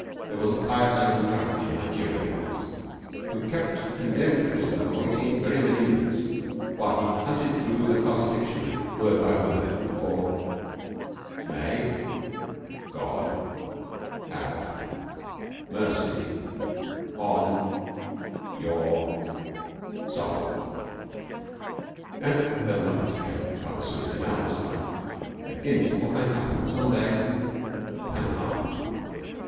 There was a pious young judge in Nigeria once, who kept a condemned prisoner waiting very many minutes while he hunted through the Hausa dictionary, word by word, for, 'May God have mercy on your soul.' And I heard another tale about the Suez Canal this time a hint of what may happen some day at Panama.